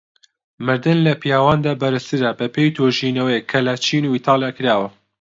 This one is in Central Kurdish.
مردن لە پیاواندا بەرزترە بەپێی توێژینەوەک کە لە چین و ئیتاڵیا کراوە.